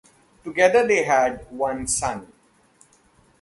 Together they had one son.